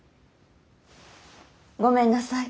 ごめんなさい。